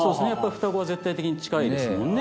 双子は絶対的に近いですもんね。